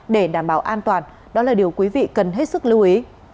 để đảm bảo an toàn đó là điều quý vị cần hết sức lưu ý